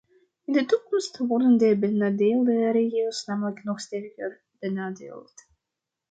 In de toekomst worden de benadeelde regio's namelijk nog sterker benadeeld.